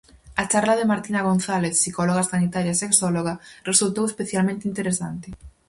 A charla de Martina González, psicóloga sanitaria e sexóloga, resultou especialmente interesante.